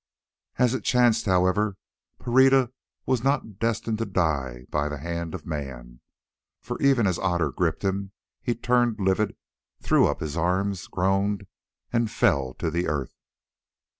As it chanced, however, Pereira was not destined to die by the hand of man, for even as Otter gripped him he turned livid, threw up his arms, groaned, and fell to the earth.